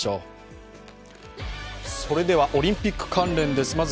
それではオリンピック関連です。